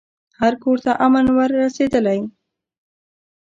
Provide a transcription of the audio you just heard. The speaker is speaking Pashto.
هر کورته امن ور رسېدلی